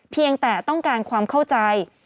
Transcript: เพียงแต่ต้องการความเข้าใจ